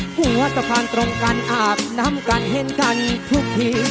หัวสะพานตรงการอาบนำการเห็นทางนี้ทุกที